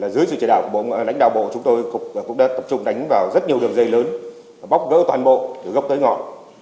dưới sự chỉ đạo của lãnh đạo bộ chúng tôi cũng đã tập trung đánh vào rất nhiều đường dây lớn bóc gỡ toàn bộ từ góc tới ngọn